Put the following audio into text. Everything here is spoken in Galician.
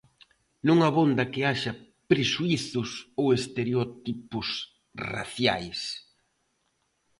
Non abonda que haxa prexuízos ou estereotipos raciais.